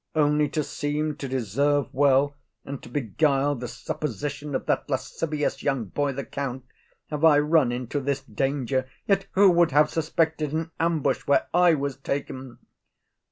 Only to seem to deserve well, and to beguile the supposition of that lascivious young boy the count, have I run into this danger: yet who would have suspected an ambush where I was taken?